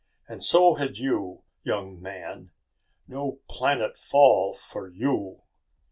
"And so had you, young man. No planet fall for you!"